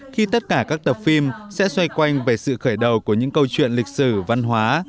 khi tất cả các tập phim sẽ xoay quanh về sự khởi đầu của những câu chuyện lịch sử văn hóa